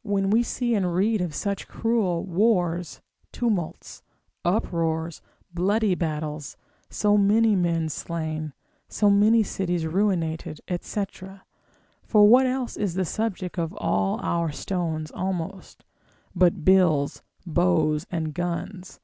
when we see and read of such cruel wars, tumults, uproars, bloody battles, so many men slain, so many cities ruinated, &c. (for what else is the subject of all our stones almost, but bills, bows, and guns!)